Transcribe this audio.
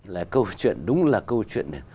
là câu chuyện đúng là câu chuyện